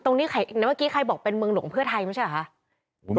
ตรงนี้ใครเนี่ยเมื่อกี้ใครบอกเป็นเมืองหลวงเพื่อไทยมั้ยใช่หรอฮะ